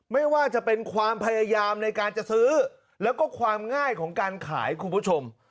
ไม่ว่าจะเป็นความพยายามในการจะซื้อแล้วก็ความง่ายของการขายคุณผู้ชม